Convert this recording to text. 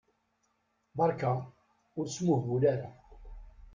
Berka, ur smuhbul ara.